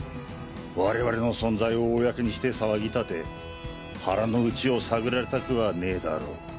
我々の存在を公にして騒ぎ立て腹の内を探られたくはねぇだろ。